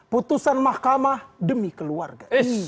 putusan mahkamah demi keluarga